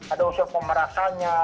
ada unsur pemerasanya